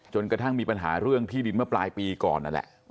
กระทั่งมีปัญหาเรื่องที่ดินเมื่อปลายปีก่อนนั่นแหละ